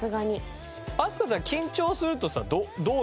飛鳥さん緊張するとさどうなるの？